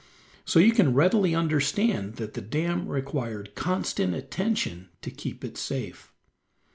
So you can readily understand that the dam required constant attention to keep it safe.